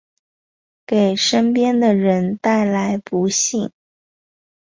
给身边的人带来不幸